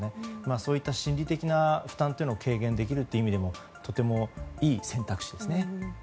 そういった心理的な負担を軽減できるという意味でもとてもいい選択肢ですね。